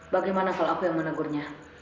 bagaimana kalau aku menjawabnya